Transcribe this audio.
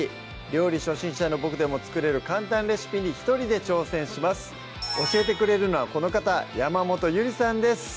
料理初心者のボクでも作れる簡単レシピに一人で挑戦します教えてくれるのはこの方山本ゆりさんです